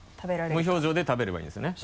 無表情で食べればいいんですよね？